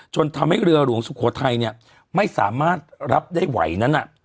จนทำให้เรือหลวงสุโขทัยเนี่ยไม่สามารถรับได้ไหวนั้น